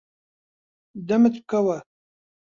دەمت بکەوە.